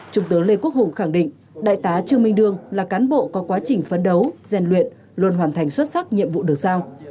trung tướng lê quốc hùng khẳng định đại tá trương minh đương là cán bộ có quá trình phấn đấu rèn luyện luôn hoàn thành xuất sắc nhiệm vụ được giao